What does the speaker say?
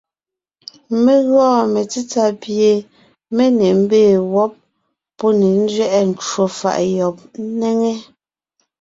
Mé gɔɔn metsítsà pie mé ne mbee wɔ́b, pɔ́ ne nzẅɛʼɛ ncwò faʼ yɔb ńnéŋe,